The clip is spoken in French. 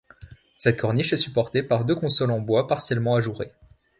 Cette corniche est supportée par deux consoles en bois partiellement ajourées.